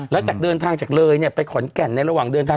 แล้วจากเดินทางจากเลยเนี่ยไปขอนแก่นในระหว่างเดินทาง